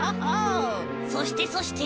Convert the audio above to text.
そしてそして。